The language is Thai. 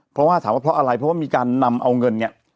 เพราะว่าถามว่าเพราะอะไรเพราะว่ามีการนำเอาเงินเนี่ย